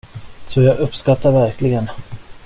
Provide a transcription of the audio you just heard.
Så jag uppskattar verkligen.